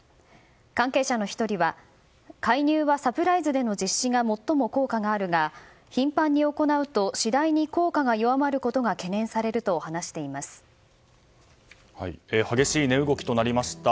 関係者の１人は介入はサプライズでの実施が最も効果があるが頻繁に行うと次第に効果が弱まることが懸念されると激しい値動きとなりました。